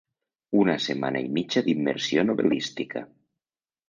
Una setmana i mitja d'immersió novel·lística.